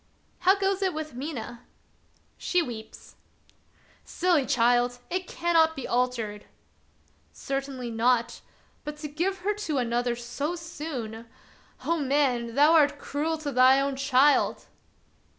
" How goes it with Mina }"" She weeps." " Silly child ! it cannot be altered !"" Certainly not ; but to give her to another so soon. Oh, man! thou art cruel to thy own child."